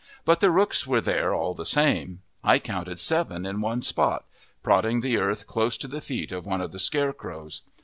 But the rooks were there all the same; I counted seven at one spot, prodding the earth close to the feet of one of the scarecrows.